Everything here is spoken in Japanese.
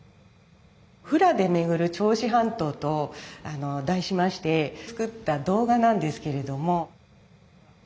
「フラでめぐる銚子半島」と題しまして作った動画なんですけれども。